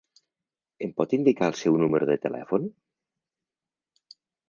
Em pot indicar el seu número de telèfon?